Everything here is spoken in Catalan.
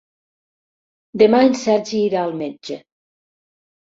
Demà en Sergi irà al metge.